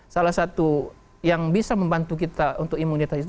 salah satu yang bisa membantu kita untuk imunitas itu